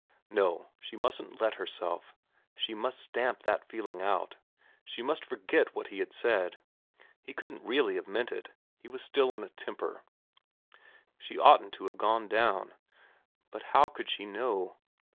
No, she mustn't let herself, she must stamp that feeling out ; she must forget what he had said. He couldn't really have meant it. He was still in a temper. She oughtn't to have gone down. But how could she know